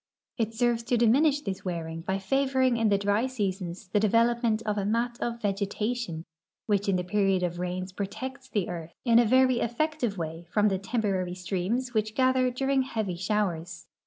It serves to diminish this wearing h\^ favoring in the diy seasons the de velopment of a mat of vegetation which in the period of rains ju'otects the earth in a very effective way from the temporary streams which gather during heavy showers.